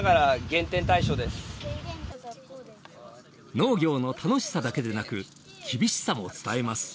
農業の楽しさだけでなく厳しさも伝えます。